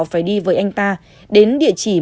phải đi với anh ta đến địa chỉ